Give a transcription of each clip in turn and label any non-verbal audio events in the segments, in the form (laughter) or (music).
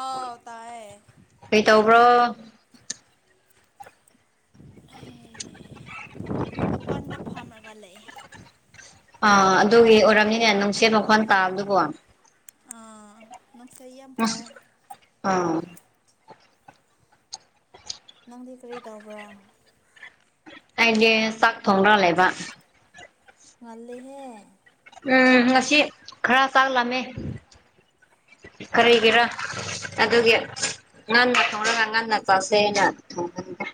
ꯑꯥꯎ ꯇꯥꯏꯌꯦ ꯀꯩ ꯇꯧꯕ꯭ꯔꯣ ꯑꯦ ꯑꯣꯄꯟꯗ ꯐꯝꯔꯒ ꯂꯩ꯫ ꯑꯥ ꯑꯗꯨꯒꯤ ꯑꯣꯏꯔꯝꯅꯤꯅꯦ ꯅꯨꯡꯁꯦꯠ ꯃꯈꯣꯟ ꯇꯥꯕꯗꯨꯕꯨ꯫ ꯑꯥ ꯅꯨꯡꯁꯩꯩꯩ ꯌꯥꯝ ꯑꯁ ꯐꯥꯏ꯫ ꯑꯥ ꯅꯪꯗꯤ ꯀꯔꯤ ꯇꯧꯕ꯭ꯔꯥ? ꯑꯩꯖꯦ ꯆꯥꯛ ꯊꯣꯡꯔ ꯂꯩꯕ꯫ ꯉꯜꯂꯦꯍꯦ ꯑ ꯉꯁꯤ ꯈ꯭ꯔ ꯆꯥꯛ ꯂꯥꯝꯃꯦ ꯑꯣ ꯀꯔꯤꯒꯤꯔꯥ ꯑꯗꯨꯒꯤ ꯉꯥꯟꯅ ꯊꯣꯡꯔꯒ ꯉꯥꯟꯅ ꯆꯥꯁꯦꯅ ꯍꯥꯏꯅ ꯊꯣꯡꯕꯅꯤꯗ꯫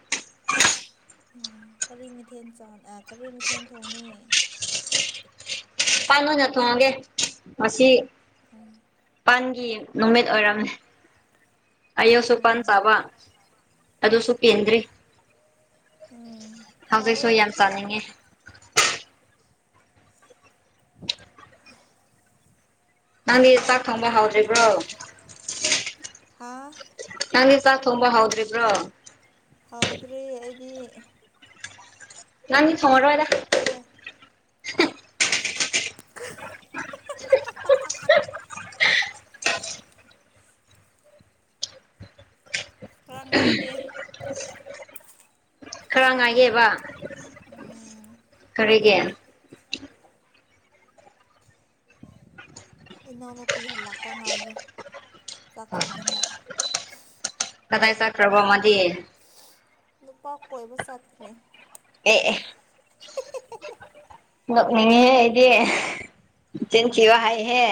ꯎꯝ ꯀꯔꯤ ꯃꯊꯦꯜ ꯆꯥꯟ ꯑ ꯀꯔꯤ ꯃꯊꯦꯟ ꯊꯣꯡꯅꯤ? ꯄꯥꯟ ꯑꯣꯏꯅ ꯊꯣꯡꯉꯒꯦ ꯉꯁꯤ ꯑꯣ ꯄꯥꯟꯒꯤ ꯅꯨꯃꯤꯠ ꯑꯣꯏꯔꯝꯃꯦ꯫ ꯑꯌꯨꯛꯁꯨ ꯄꯥꯥꯟ ꯎꯝ ꯆꯥꯕ ꯑꯗꯨꯁꯨ ꯄꯦꯟꯗ꯭ꯔꯤ꯫ ꯎꯝ ꯍꯥꯎꯋꯦ ꯍꯧꯖꯤꯛꯁꯨ ꯌꯥꯝ ꯆꯥꯅꯤꯡꯉꯦ꯫ ꯅꯪꯗꯤ ꯆꯥꯛ ꯊꯣꯡꯕ ꯍꯥꯎꯗ꯭ꯔꯤꯕ꯭ꯔꯣ? ꯍꯥꯥ ꯅꯪꯗꯤ ꯆꯥꯛ ꯊꯣꯡꯕ ꯍꯥꯎꯗ꯭ꯔꯤꯕ꯭ꯔꯣ? ꯍꯥꯎꯗ꯭ꯔꯤ ꯑꯩꯗꯤ ꯅꯪꯗꯤ ꯊꯣꯡꯉꯔꯣꯢꯗ ꯈꯔ ꯈꯔꯥ ꯉꯥꯏꯒꯦ ꯈꯔ ꯉꯥꯏꯒꯦꯕ ꯎꯝ ꯀꯔꯤꯒꯤ ꯏꯅꯥꯎꯅꯨꯄꯤ ꯍꯜꯂꯛꯄ ꯉꯥꯏꯒꯤ ꯆꯥꯛ ꯊꯣꯡꯅꯤꯡꯉꯥꯏ꯫ ꯀꯗꯥꯏ ꯆꯈ꯭ꯔꯕ ꯃꯥꯗꯤ ꯅꯨꯄꯥ ꯀꯣꯏꯕ ꯆꯠꯈ꯭ꯔꯦ꯫ ꯑꯦ-ꯑꯦ ꯅꯣꯛꯅꯤꯡꯉꯦ ꯑꯩꯗꯤ ꯆꯤꯟꯊꯤꯕ ꯍꯥꯏꯍꯦ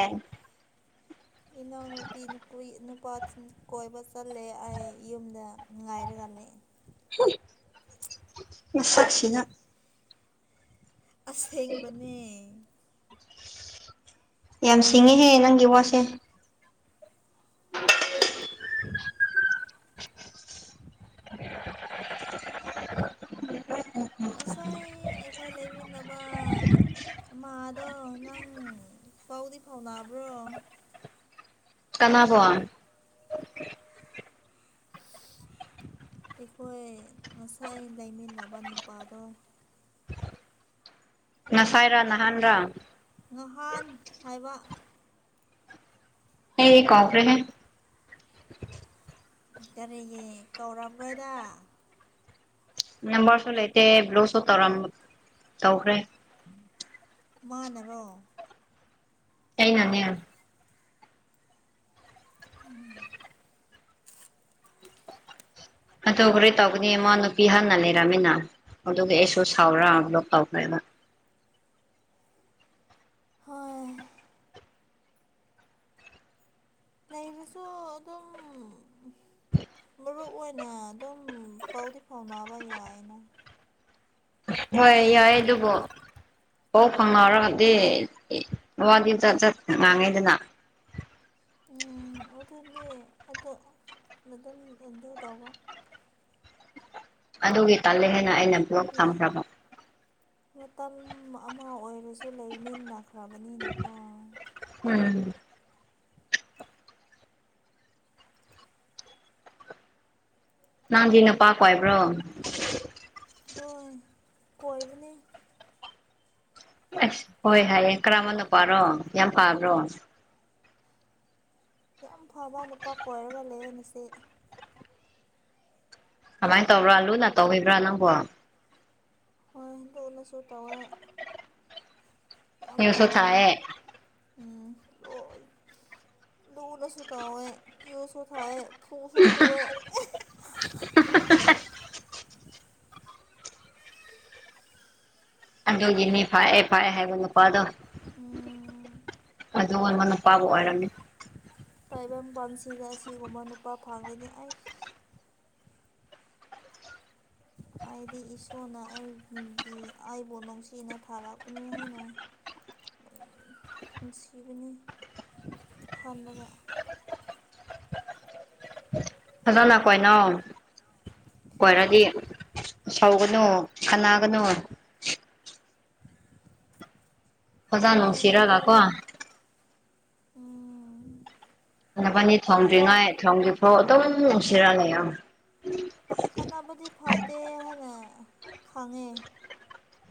ꯏꯅꯥꯎꯅꯨꯄꯤ ꯅꯨꯄꯨꯏ ꯅꯨꯄꯥꯊꯤꯟ ꯀꯣꯏꯕ ꯆꯠꯂꯦ ꯑꯩ ꯌꯨꯝꯗ ꯉꯥꯏꯔꯒ ꯂꯩ ꯍꯨꯡ ꯃꯁꯛꯁꯤꯅ ꯑꯁꯦꯡꯕꯅꯦ ꯌꯥꯝ ꯁꯤꯡꯉꯦꯍꯦ ꯅꯪꯒꯤ ꯋꯥꯁꯦ (unintelligible) ꯉꯁꯥꯏ ꯑꯩꯈꯣꯏ ꯂꯩꯃꯤꯟꯅꯕ ꯄ ꯑꯃꯥꯗꯣ ꯅꯪ ꯄꯥꯎꯗꯤ ꯐꯥꯎꯅꯥꯕ꯭ꯔꯣ ꯀꯅꯥꯕꯣ ꯑꯩꯈꯣꯏ ꯉꯁꯥꯏ ꯂꯩꯃꯤꯟꯅꯕ ꯅꯨꯄꯥꯗꯣ ꯉꯁꯥꯏꯔꯥ ꯅꯍꯥꯟ ꯔꯥ ꯉꯍꯥꯟ ꯍꯥꯏꯕꯥ ꯑꯩ ꯀꯥꯎꯈ꯭ꯔꯦ ꯍꯦ ꯀꯔꯤꯒꯤ ꯀꯧꯔꯝꯔꯣꯏꯗ ꯅꯝꯕꯔꯁꯨ ꯂꯩꯇꯦ ꯕ꯭ꯂꯣꯛꯁꯨ ꯇꯧꯔꯝ ꯇꯧꯈ꯭ꯔꯦ ꯃꯥꯅꯔꯣ ꯑꯩꯅꯅꯦ ꯎꯝ ꯑꯗꯨ ꯍꯨꯔꯦꯟ ꯇꯧꯒꯅꯤꯌꯦ ꯃꯥ ꯅꯨꯄꯤ ꯍꯥꯟꯅ ꯂꯩꯔꯃꯤꯅ ꯑꯗꯨꯒꯤ ꯑꯩꯁꯨ ꯁꯥꯎꯔꯥ ꯕ꯭ꯂꯣꯛ ꯇꯧꯈ꯭ꯔꯦꯕ ꯍꯣꯏ ꯂꯩꯔꯁꯨ ꯑꯗꯨꯝ ꯃꯔꯨꯞ ꯑꯣꯏꯅꯥ ꯑꯗꯨꯝ ꯄꯥꯎꯗꯤ ꯐꯥꯎꯅꯥꯕ ꯌꯥꯏꯅ ꯍꯣꯏ ꯌꯥꯏ ꯑꯗꯨꯕꯨ ꯄꯥꯎ ꯐꯥꯎꯅꯔꯒꯗꯤ ꯏ ꯋꯥꯗꯤ ꯖꯥꯠ ꯖꯥꯠ ꯉꯥꯡꯉꯤꯗꯅꯥ ꯎꯝ ꯑꯗꯨꯗꯤ ꯑꯗꯣ ꯅꯗꯨꯝ ꯑꯗꯨ ꯇꯧꯔꯣ ꯑꯗꯨꯒꯤ ꯇꯜꯂꯦ ꯍꯥꯏꯅ ꯑꯩꯅ ꯕ꯭ꯂꯣꯛ ꯂꯩ ꯊꯝꯈ꯭ꯔꯕ ꯃꯇꯝ ꯑꯃ ꯑꯣꯏꯔꯁꯨ ꯂꯩꯃꯤꯟꯅ ꯈ꯭ꯔꯕꯅꯤꯅꯀꯣ ꯎꯝ ꯅꯡꯗꯤ ꯅꯨꯄꯥ ꯀꯣꯏꯕ꯭ꯔꯣ ꯍꯣꯏ ꯀꯣꯏꯕꯅꯦ ꯑꯁ ꯍꯣꯏ ꯍꯥꯏꯌꯦ ꯀꯔꯝꯕ ꯅꯨꯄꯥꯔꯣ ꯌꯥꯝ ꯐꯕ꯭ꯔꯣ ꯌꯥꯝ ꯐꯕꯥ ꯅꯨꯄꯥ ꯀꯣꯏꯔꯒ ꯂꯩꯌꯦ ꯅꯆꯦ ꯀꯃꯥꯏ ꯇꯧꯕ꯭ꯔꯥ ꯂꯨꯅꯥ ꯇꯧꯕꯤꯕ꯭ꯔꯥ ꯅꯪꯕꯣ ꯍꯣꯏ ꯂꯨꯅꯁꯨ ꯇꯧꯋꯦ ꯌꯥꯝ ꯅ꯭ꯌꯨꯁꯁꯨ ꯐꯕꯅꯦ ꯊꯥꯏꯌꯦ ꯎꯡ ꯂꯣꯏ ꯂꯨꯅꯁꯨ ꯇꯧꯋꯦ ꯌꯨꯁꯨ ꯊꯛꯑꯦ ꯐ‌ꯨꯁꯨ ꯐ‌ꯨꯋꯦ ꯑꯗꯨꯒꯤꯅꯤ ꯐ‌ꯩꯑꯦ ꯐꯩꯑꯦ ꯍꯥꯏꯕ ꯅꯨꯄꯥꯗꯣ ꯎꯝ ꯑꯗꯨꯒꯨꯝꯕ ꯅꯨꯄꯥꯕꯨ ꯑꯣꯏꯔꯝꯃꯤ ꯇꯥꯏꯕ‌ꯪꯄꯥꯟꯁꯤꯗ ꯑꯁꯤꯒꯨꯝꯕ ꯅꯨꯄꯥ ꯐꯪꯂꯗꯤ ꯑꯩ ꯑꯩꯗꯤ ꯏꯁꯣꯔꯅ ꯑꯩꯒꯤ ꯑꯩꯕꯨ ꯅꯨꯡꯁꯤꯅ ꯊꯥꯔꯛꯄꯅꯦ ꯍꯥꯏꯅ ꯅꯨꯡ ꯅꯨꯡꯁꯤꯕꯅꯤ ꯍꯥꯟꯅꯒ (inaudible) ꯐꯖꯅ ꯀꯣꯏꯅꯧ ꯀ‌ꯣꯏꯔꯗꯤ ꯁꯧꯒꯅꯨ ꯈꯅꯥꯒꯅꯨ ꯐꯖꯅ ꯍꯣꯏ ꯅꯨꯡꯁꯤꯔꯒ ꯀꯣ ꯈꯠꯅꯕꯗꯤ ꯎꯝ ꯅꯕꯥꯟꯅꯤ ꯈꯠꯅ ꯊꯣꯡꯗ꯭ꯔꯤꯉꯩ ꯊꯣꯡꯗ꯭ꯔꯤꯐꯥꯎ ꯑꯗꯨꯝ ꯅꯨꯡꯁꯤꯔꯥ ꯂꯩꯌ‌ꯣ ꯈꯠꯅꯕꯗꯤ ꯐꯠꯇꯦ ꯍꯥꯏꯅ ꯈꯪꯉꯦ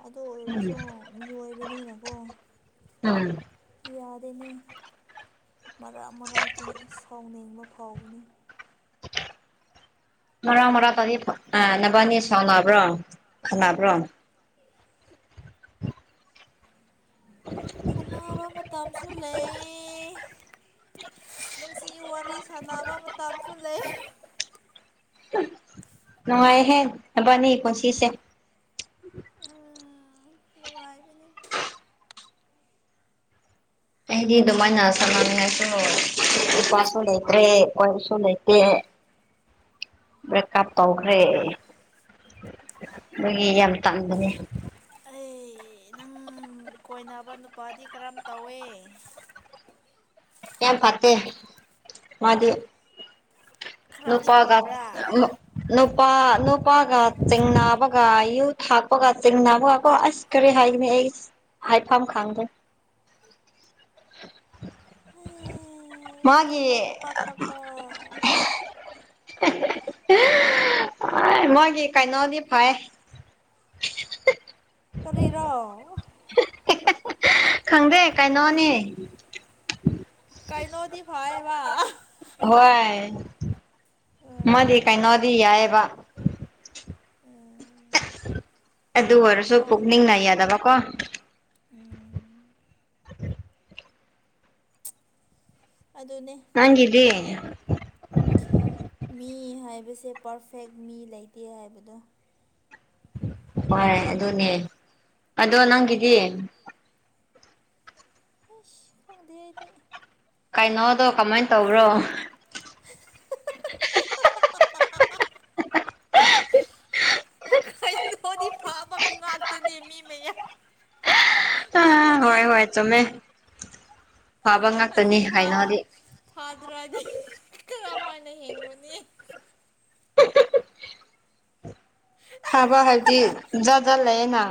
ꯑꯗꯨ ꯑꯣꯏꯔꯁꯨ ꯃꯤꯑꯣꯏꯕꯅꯤꯅꯥ ꯀꯣ꯫ ꯎꯝ꯫ ꯌꯥꯗ‌ꯦꯅ‌ꯦ ꯃꯔꯛ ꯃꯔꯥꯛꯇꯤ ꯁꯥꯎꯅꯤꯡꯕ ꯐꯥꯎꯕꯅꯤ ꯫ ꯃꯔꯥꯛ ꯃꯔꯥꯛꯇꯗꯤ ꯑꯥ ꯅꯕꯥꯅꯤ ꯁꯥꯎꯅꯕ꯭ꯔꯣ ꯈꯟꯅꯕ꯭ꯔꯣ? ꯈꯟꯅꯕ ꯃꯇꯝꯁꯨ ꯂꯩ ꯫ ꯅꯨꯡꯁꯤ ꯋꯥꯔꯤ ꯁꯥꯟꯅꯕ ꯃꯇꯝꯁꯨ ꯂꯩ ꯫ ꯅꯨꯡꯉꯥꯏꯍꯦ ꯅꯕꯥꯟꯅꯤ ꯄꯨꯟꯁꯤꯁꯦ ꯫ ꯎꯝ ꯅꯨꯡꯉꯥꯏꯕꯅꯤ ꯫ ꯑꯩꯗꯤ ꯑꯗꯨꯃꯥꯏꯅ ꯁꯥꯟꯅꯅꯤꯡꯉꯥꯏꯁꯨ ꯅꯨꯄꯥꯁꯨ ꯂꯩꯇ꯭ꯔꯦ ꯀ‌ꯣꯏꯕꯁꯨ ꯂꯩꯇꯦ ꯫ (inaudible) ꯕ꯭ꯔꯦꯛꯀꯞ ꯇꯧꯈ꯭ꯔꯦ ꯫ ꯗꯨꯒꯤ ꯌꯥꯝ ꯇꯟꯕꯅ‌ꯦ ꯫ ꯑꯦ ꯅꯪ ꯀꯣꯏꯅꯕ ꯅꯨꯄꯥꯗꯤ ꯀꯔꯝ ꯇꯧꯋꯦ? ꯌꯥꯝ ꯐꯠꯇꯦ ꯃꯗꯤ꯫ ꯈꯔꯗꯤ ꯅꯨꯄꯥꯒ ꯐꯕ꯭ꯔꯥ ꯑꯃꯨꯛ ꯅꯨꯄꯥ ꯅꯨꯄꯥꯒ ꯆꯤꯡꯅꯥꯕꯒ ꯌꯨꯊꯛꯄꯒ ꯆꯤꯡꯅꯥꯕꯒ ꯀ‌ꯣ ꯑꯁ ꯀꯔꯤ ꯍꯥꯏꯒꯅꯤ ꯑꯩ ꯍꯥꯏꯐꯝ ꯈꯪꯗꯦ ꯫ ꯍ‌ꯦ ꯌꯨ ꯃꯥꯒꯤ ꯊꯛꯄ ꯅꯨꯄꯥ ꯈꯛꯇꯥ꯫ (unintelligible) ꯃꯣꯏꯒꯤ ꯀꯥꯏꯅ‌ꯣꯗꯤ ꯐꯥꯏ ꯫ ꯀꯔꯤꯔ‌ꯣ? (unintelligible) ꯈꯪꯗꯦ ꯀꯩꯅꯣꯅꯦ ꯫ ꯀꯥꯏꯅꯣꯗꯤ ꯐꯩꯌꯦꯕ꯫ ꯍꯣꯏ꯫ ꯃꯗꯤ ꯀꯩꯅꯣꯗꯤ ꯌꯥꯏꯌ‌ꯦꯕ꯫ ꯑꯗꯨ ꯑꯣꯏꯔꯁꯨ ꯍꯣꯏ ꯄꯨꯛꯅꯤꯡꯅ ꯌꯥꯗꯕ ꯀꯣ ꯫ ꯎꯝ (inaudible) ꯑꯗꯨꯅꯦ꯫ ꯅꯪꯒꯤꯗꯤ? ꯃꯤ ꯍꯥꯏꯕꯁꯦ ꯄꯔꯐꯦꯛ ꯃꯤ ꯂꯩꯇꯦ ꯍꯥꯏꯕꯗꯣ꯫ ꯃꯅꯦ ꯑꯗꯨꯅꯦ ꯑꯗꯣ ꯅꯪꯒꯤꯗꯤ? ꯑꯁ ꯈꯪꯗꯦ ꯑꯩꯗꯤ꯫ ꯀꯩꯅꯣꯗꯣ ꯀꯃꯥꯏ ꯇꯧꯕ꯭ꯔꯣ? ꯐꯥꯗꯤ ꯐꯥꯕ ꯉꯥꯛꯇꯅꯦꯃꯤ ꯃꯌꯥꯝ꯫ ꯃꯤ ꯑꯆꯥ ꯍꯣꯏ ꯈꯨꯗꯤꯡ ꯍꯣꯏ ꯆꯨꯝꯃ‌ꯦ꯫ ꯑꯁꯤ ꯐꯗ꯭ꯔ ꯐꯗ꯭ꯔꯗꯤ ꯀꯔꯝꯃꯥꯏꯅ ꯍꯤꯡꯉꯨꯔꯨꯔꯥꯅꯤ꯫ ꯐꯕ ꯍꯥꯏꯗꯤ ꯖꯥꯠ ꯖꯥꯠ ꯂꯩꯑꯦꯅ꯫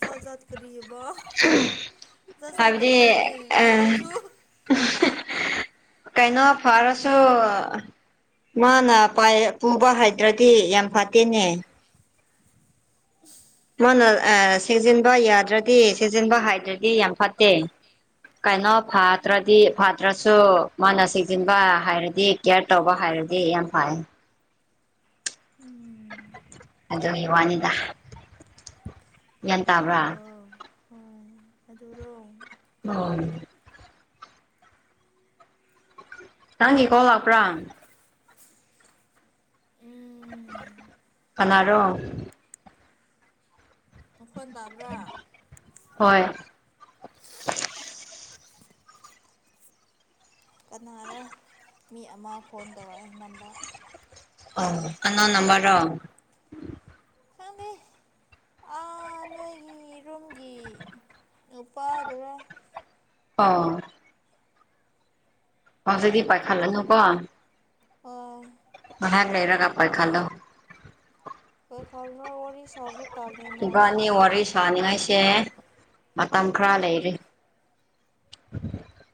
ꯖꯥꯠ ꯖꯥꯠ ꯀꯔꯤꯌꯦꯕ ꯖꯥꯠ ꯖꯥꯠ ꯍꯥꯏꯕꯗꯤ ꯂꯩꯕ꯭ꯔꯣꯅꯦ ꯀꯩꯅꯣꯁꯨ꯫ (unintelligible) ꯀꯩꯅꯣ ꯐꯥꯔꯁꯨ ꯃꯥꯅ ꯄꯥꯏꯌꯦꯞ ꯄꯨꯕ ꯍꯩꯇꯔꯗꯤ ꯌꯥꯝ ꯐꯠꯇꯦꯅꯦ꯫ ꯃꯥꯅ ꯁꯦꯖꯤꯟꯕ ꯌꯥꯗ꯭ꯔꯗꯤ ꯁꯦꯖꯤꯟꯕ ꯍꯩꯇꯔꯗꯤ ꯌꯥꯝ ꯐꯠꯇꯦ꯫ ꯀꯩꯅꯣ ꯐꯠꯇ꯭ꯔꯗꯤ ꯐꯗ꯭ꯔꯁꯨ ꯃꯥꯅ ꯁꯦꯖꯤꯟꯕ ꯍꯥꯏꯔꯗꯤ꯫ ꯀꯤꯌꯦꯔ ꯇꯧꯕ ꯍꯥꯏꯔꯗꯤ ꯌꯥꯝ ꯐꯑꯦ꯫ ꯑꯗꯨꯒꯤ ꯋꯥꯅꯤꯗ ꯒ꯭ꯌꯥꯟ ꯇꯥꯕ꯭ꯔꯥ꯫ ꯑꯗꯨꯔꯣ ꯍꯣꯏ ꯑꯗꯨꯔꯣ꯫ ꯃꯅꯤ (unintelligible) ꯅꯪꯒꯤ ꯀꯣꯜ ꯂꯥꯛꯄ꯭ꯔꯥ꯫ ꯎꯝ (unintelligible) ꯀꯅꯥꯔꯣ꯫ ꯃꯈꯣꯟ ꯇꯥꯕ꯭ꯔꯥ꯫ ꯍꯣꯏ꯫ ꯀꯅꯥꯔ ꯃꯤ ꯑꯃ ꯐꯣꯟ ꯇꯧꯔꯛꯑꯦ ꯅꯝꯕꯔ꯫ ꯑꯣ ꯀꯅꯥ ꯅꯝꯕꯔꯣ꯫ ꯈꯪꯗꯦ꯫ ꯑꯥ ꯅꯣꯏꯒꯤ ꯔꯨꯝꯒꯤ ꯅꯨꯄꯥꯗꯨꯔ꯫ ꯑꫭ꯫ ꯍꯧꯖꯤꯛꯗꯤ ꯄꯥꯏꯈꯠꯂꯅꯨꯀꯣ꯫ (unintelligible) ꯉꯥꯏꯍꯥꯛ ꯂꯩꯔꯒ ꯄꯥꯏꯈꯠꯂꯣ꯫ (inaudible) ꯋꯥꯔꯤ ꯁꯥꯕꯁꯨ ꯇꯥꯟꯂꯦ ꯃꯥꯕꯣ꯫ ꯏꯕꯥꯅꯤ ꯋꯥꯔꯤ ꯁꯥꯅꯤꯡꯉꯥꯏꯁꯦ ꯃꯇꯝ ꯈꯔꯥ ꯂꯩꯔꯤ꯫ (unintelligible)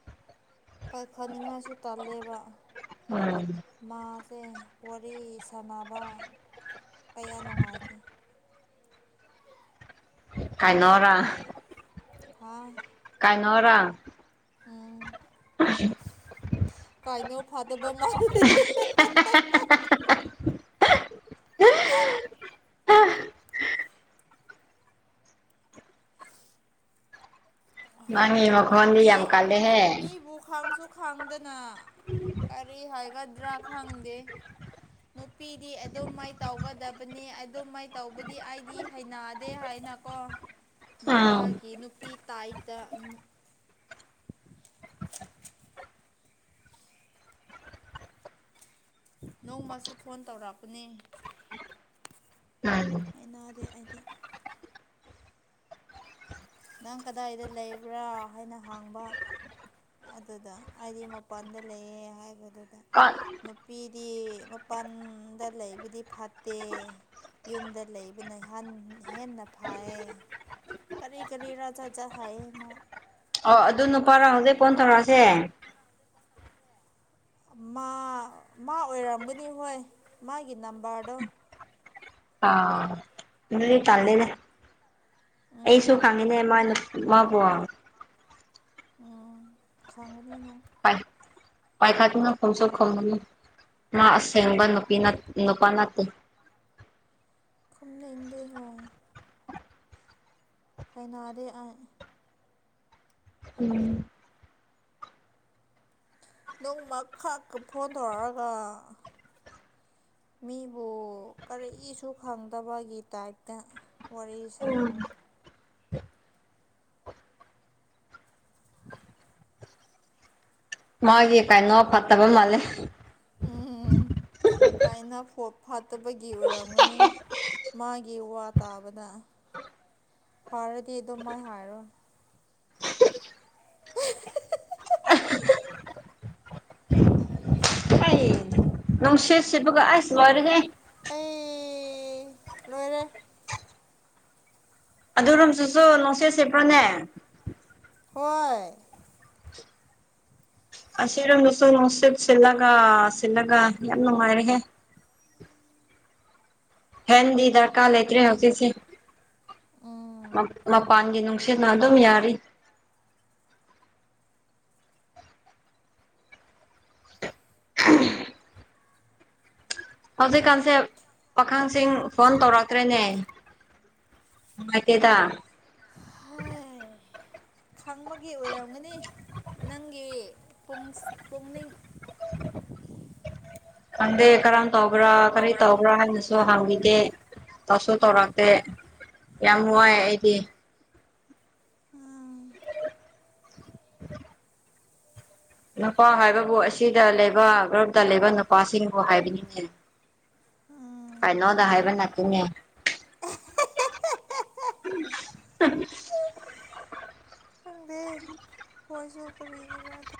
ꯄꯥꯏꯈꯠꯅꯤꯉꯥꯏꯁꯨ ꯇꯜꯂꯦꯕ꯫ (unintelligible) ꯃꯥꯁꯦ ꯋꯥꯔꯤ ꯁꯥꯟꯅꯕ ꯀꯌꯥ ꯅꯨꯡꯉꯥꯏꯇꯦ꯫ ꯀꯥꯏꯅꯣꯔꯥ꯫ (unintelligible) ꯍꯥꫭꯏ꯫ ꯀꯥꯏꯅꯣꯔꯥ꯫ ꯎꯝ ꯀꯥꯏꯅꯣ ꯐꯗꯣꯏꯕ ꯃꯥꯜ (unintelligible) (unintelligible) (unintelligible) ꯅꯪꯒꯤ ꯃꯈꯣꯟꯗꯤ ꯌꯥꯝ ꯀꯜꯂꯦꯍꯦ꯫ ꯕꯨꯈꯥꯡꯁꯨ (unintelligible) ꯈꯪꯗꯅ ꯀꯔꯤ ꯍꯥꯏꯒꯗ꯭ꯔꯥ ꯈꯪꯗꯦ꯫ ꯅꯨꯄꯤꯗꯤ ꯑꯗꯨꯝ ꯃꯥꯏ ꯇꯧꯒꯗꯕꯅꯤ ꯑꯗꯨꯝ ꯃꯥꯏ ꯇꯧꯕꯗꯤ ꯑꯩꯗꯤ ꯍꯩꯅꯥꯗꯦ ꯍꯥꯏꯅꯀꯣ ꯎꯝ ꯃꯥꯒꯤ ꯅꯨꯄꯤ ꯇꯥꯏꯞꯇ ꯅ (unintelligible) ꯅꯣꯡꯃꯁꯨ ꯐꯣꯟ ꯇꯧꯔꯛꯄꯅꯦ꯫ ꯎꯝ ꯍꯩꯅꯥꯗꯦ ꯑꯩꯗꯤ꯫ ꯅꯪ ꯀꯗꯥꯏꯗ ꯂꯩꯕ꯭ꯔꯥ ꯍꯥꯏꯅ ꯍꯥꯡꯕ꯫ ꯑꯗꯨꯗ ꯑꯩꯗꯤ ꯃꯄꯥꯟꯗ ꯂꯩꯌꯦ ꯍꯥꯏꯕ ꯗꯨꯗ꯫ ꯀꯟ ꯅꯨꯄꯤꯗꯤ ꯃꯄꯥꯟꯗ ꯂꯩꯕꯗꯤ ꯐꯠꯇꯦ꯫ ꯌꯨꯝꯗ ꯂꯩꯕꯅ ꯍꯥꯟ ꯍꯦꯟꯅ ꯐꯩꯌꯦ꯫ ꯀꯔꯤ ꯀꯔꯤꯔ ꯖꯥꯠ-ꯖꯥꯠ ꯍꯥꯏꯌꯦ ꯃꯥ꯫ ꯑꯣ ꯑꯗꯨ ꯅꯨꯄꯥꯔ ꯍꯧꯖꯤꯛ ꯑꯗꯨ ꯐꯣꯟ ꯊꯧꯔꯛꯑꯁꯦ꯫ ꯑꯃꯥ ꯃꯥ ꯑꯣꯏꯔꯝꯒꯅꯤ ꯍꯣꯏ ꯃꯥꯒꯤ ꯅꯝꯕꯔꯗꯣ꯫ ꯑꯥ ꯗꯨꯗꯤ ꯇꯜꯂꯦꯅꯦ꯫ ꯎꯝ ꯑꯩꯁꯨꯨꯡ ꯈꯪꯉꯦꯅꯦ ꯃꯥꯅꯨꯞ ꯃꯥꯕꯨ ꯎ ꯈꯪꯒꯅꯤꯅꯪ ꯄꯥꯏ ꯄꯥꯏꯈꯇꯅ ꯈꯣꯡꯁꯨ ꯈꯣꯡꯉꯅꯤ ꯃꯥ ꯑꯁꯦꯡꯕ ꯅꯨꯄꯤ ꯅꯠ ꯅꯨꯄꯥ ꯅꯠꯇꯦ ꯈꯨꯝꯅꯤꯡꯗꯦꯕꯣ ꯀꯩꯅꯣꯗꯤ ꯑ ꯎꯝ ꯅꯣꯡꯃ ꯈꯛ ꯀ ꯐꯣꯟ ꯇꯧꯔꯛꯑꯒ ꯃꯤꯕꯨ ꯀꯔꯤꯁꯨ ꯈꯪꯗꯕꯒꯤ ꯇꯥꯏꯞꯇ ꯋꯥꯔꯤ ꯁꯥꯔꯒ (unintelligible) ꯃꯥꯒꯤ ꯀꯩꯅꯣ ꯐꯠꯇꯕ ꯃꯥꯜꯂꯦ ꯎꯝ ꯀꯥꯏꯅ ꯐꯣ ꯐꯥꯠꯇꯕꯒꯤ ꯑꯣꯏꯔꯝꯒꯅꯤ ꯃꯥꯒꯤ ꯋꯥ ꯇꯥꯕꯗ ꯐꯥꯔꯗꯤ ꯑꯗꯨꯝ ꯃꯥꯏ ꯍꯥꯏꯔꯣꯏ (unintelligible) ꯑꯩ ꯅꯨꯡꯁꯤꯠ ꯁꯤꯠꯕꯒ ꯑꯁ ꯂꯣꯏꯔꯦꯍꯦ ꯑꯩ ꯂꯣꯏꯔꯦ ꯑꯗꯨꯔꯣꯝꯁꯨꯁꯨ ꯅꯨꯡꯁꯤꯠ ꯁꯤꯠꯄ꯭ꯔꯣꯅꯦ ꯍꯣꯏ ꯑꯁꯤꯔꯣꯝꯗꯁꯨ ꯅꯨꯡꯁꯤꯠ ꯁꯤꯜꯂꯒ ꯁꯤꯜꯂꯒ ꯌꯥꯝ ꯅꯨꯡꯉꯥꯏꯔꯦꯍꯦ ꯍꯦꯟꯗꯤ ꯗꯔꯀꯥꯔ ꯂꯩꯇ꯭ꯔꯦ ꯍꯧꯖꯤꯛꯁꯦ ꯎꯝ ꯃꯄꯥꯟꯒꯤ ꯅꯨꯡ ꯅꯨꯡꯁꯤꯠꯅ ꯑꯗꯨꯝ ꯌꯥꯔꯤ ꯎꯝ ꯍꯧꯖꯤꯛꯀꯥꯟꯁꯦ ꯄꯥꯈꯪꯁꯤꯡ ꯐꯣꯟ ꯇꯧꯔꯛꯇ꯭ꯔꯦꯅꯦ ꯅꯨꯡꯉꯥꯏꯇꯦꯗ ꯍꯥꯏ ꯈꯪꯕꯒꯤ ꯑꯣꯏꯔꯝꯒꯅꯤ ꯅꯪꯒꯤ ꯄꯨꯡ ꯄꯨꯛꯅꯤꯡ ꯈꯪꯗꯦ ꯀꯔꯝ ꯇꯧꯕ꯭ꯔ ꯀꯔꯤ ꯇꯧꯕ꯭ꯔ ꯍꯥꯏ ꯅ ꯁꯨ ꯍꯥꯡꯕꯤꯗꯦ ꯇꯧꯁꯨ ꯇꯧꯔꯛꯇꯦ ꯌꯥꯝ ꯋꯥꯏ ꯑꯩꯗꯤ (unintelligible) ꯅꯨꯄꯥ ꯍꯥꯏꯕꯕꯨ ꯑꯁꯤꯗ ꯂꯩꯕ ꯒ꯭ꯔꯨꯞꯇ ꯂꯩꯕ ꯅꯨꯄꯥꯁꯤꯡꯕꯨ ꯍꯥꯏꯕꯤꯅꯤꯅꯦ ꯀꯥꯏꯅꯣꯗ ꯍꯥꯏꯕꯅꯠꯇꯦꯅꯦ ꯄꯣꯏꯁꯨ ꯀꯔꯔꯤꯒꯤꯔ